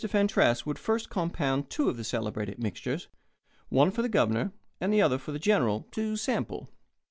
Fentress would first compound two of the celebrated mixtures one for the Governor, and the other for the General to "sample."